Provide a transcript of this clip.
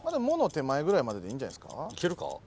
「も」の手前ぐらいまででいいんじゃないですか。